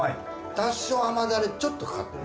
多少甘ダレちょっとかかってる。